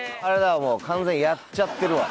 もう完全にやっちゃってるわ。